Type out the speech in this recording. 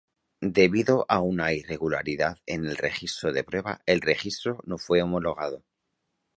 Debido a una irregularidad en el registro de prueba, el registro no fue homologado.